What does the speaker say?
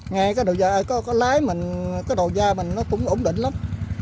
nghe cái đồ da mình cái đồ da mình nó cũng ổn định lắm